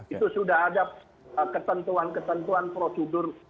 itu sudah ada ketentuan ketentuan prosedur